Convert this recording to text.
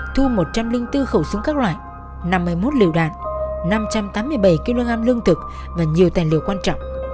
thu một trăm linh bốn khẩu súng các loại năm mươi một liều đạn năm trăm tám mươi bảy kg lương thực và nhiều tài liệu quan trọng